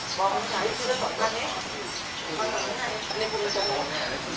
สวัสดีครับสวัสดีครับ